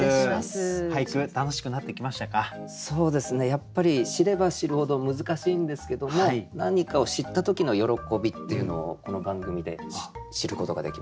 やっぱり知れば知るほど難しいんですけども何かを知った時の喜びっていうのをこの番組で知ることができました。